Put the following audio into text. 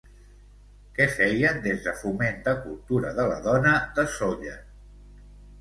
Què feien des de Foment de Cultura de la Dona de Sóller?